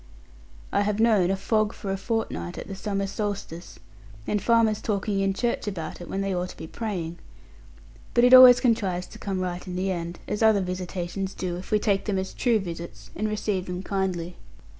I have known a fog for a fortnight at the summer solstice, and farmers talking in church about it when they ought to be praying. But it always contrives to come right in the end, as other visitations do, if we take them as true visits, and receive them kindly.